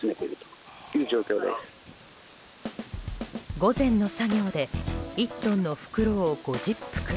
午前の作業で１トンの袋を５０袋